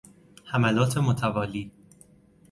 حملات متوالی